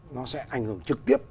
nó sẽ ảnh hưởng trực tiếp